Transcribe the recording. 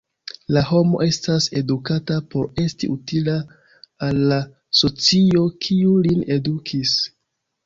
La homo estas edukata por esti utila al la socio, kiu lin edukis.